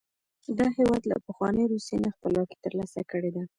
دا هېواد له پخوانۍ روسیې نه خپلواکي تر لاسه کړې ده.